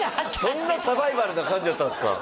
そんなサバイバルな感じやったんすか？